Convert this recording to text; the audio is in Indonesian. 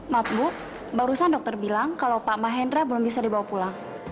maaf bu barusan dokter bilang kalau pak mahendra belum bisa dibawa pulang